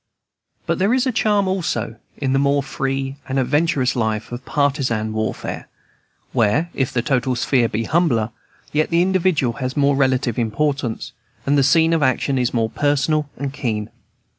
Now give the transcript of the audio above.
But there is a charm also in the more free and adventurous life of partisan warfare, where, if the total sphere be humbler, yet the individual has more relative importance, and the sense of action is more personal and keen.